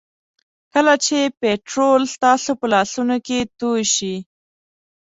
کله چې پټرول ستاسو په لاسونو کې توی شي.